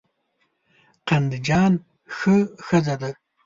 قندجان ښه ښځه ده.